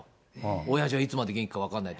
おやじはいつまで元気が分からないと。